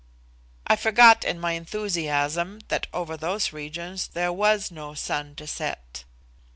(I forgot, in my enthusiasm, that over those regions there was no sun to set).